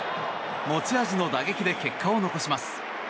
持ち味の打撃で結果を残します。